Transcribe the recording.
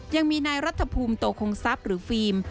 ยังมีนายรัฐภูมิโตคงทรัพย์หรือฟิล์ม